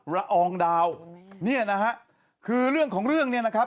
ละอองดาวเนี่ยนะฮะคือเรื่องของเรื่องเนี่ยนะครับ